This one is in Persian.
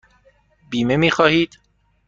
بیمه می خواهید؟